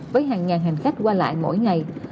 với hàng ngàn hành khách qua lại mỗi ngày